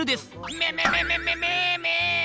めめめめめめめ！